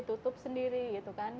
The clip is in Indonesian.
ditutup sendiri gitu kan